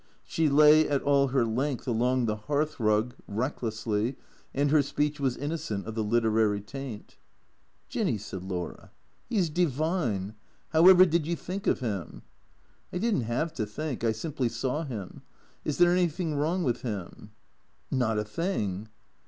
She lay at all her length along the hearth rug, recklessly, and her speech was inno cent of the literary taint. " Jinny," said Laura, " he 's divine. However did you think of him ?"" I did n't have to think. I simply saw him. Is there any thing wrong with him? "" Not a thing."